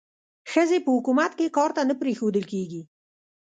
ښځې په حکومت کې کار ته نه پریښودل کېږي.